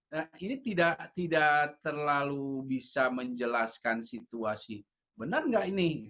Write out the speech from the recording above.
nah ini tidak terlalu bisa menjelaskan situasi benar nggak ini